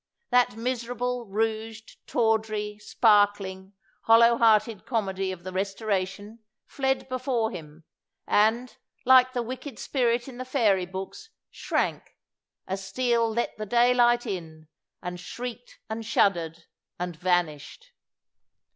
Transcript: That miserable, rouged, tawdry, sparkling, hollow hearted comedy of the Restora tion fled before him, and, like the wicked spirit in the fairy books, shrank, as Steele let the day light in, and shrieked, and shuddered, and van ished.